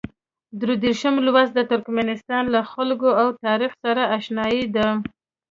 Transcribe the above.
درې دېرشم لوست د ترکمنستان له خلکو او تاریخ سره اشنايي ده.